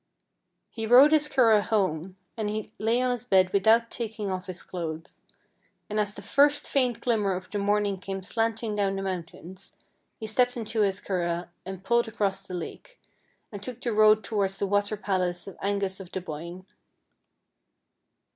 He rowed his curragh home, and he lay on his bed without taking off his clothes. And as the first faint glimmer of the morning came slanting THE HOUSE IN THE LAKE 29 down the mountains, lie stepped into his curragh and pulled across the lake, and took the road towards the water palace of Angus of the Boyne.